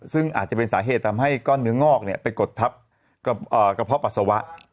ซึ่งอาจจะเป็นสาเหตุทำให้ก้อนเนื้องอกไปกดทับกระเพาะปัสสาวะ